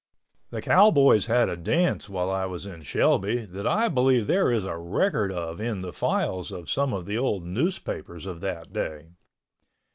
The cowboys had a dance while I was in Shelby that I believe there is a record of in the files of some of the old newspapers of that day.